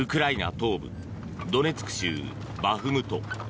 東部ドネツク州バフムト。